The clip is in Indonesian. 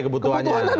kebutuhannya kuota hari